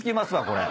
これ。